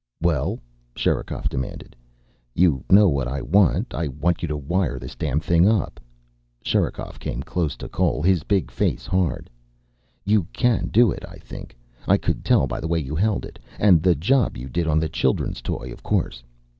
"Well?" Sherikov demanded. "You know what I want. I want you to wire this damn thing up." Sherikov came close to Cole, his big face hard. "You can do it, I think. I could tell by the way you held it and the job you did on the children's toy, of course.